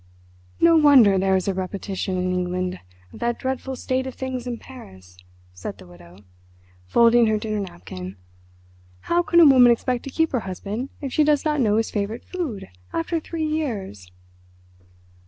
"No wonder there is a repetition in England of that dreadful state of things in Paris," said the Widow, folding her dinner napkin. "How can a woman expect to keep her husband if she does not know his favourite food after three years?"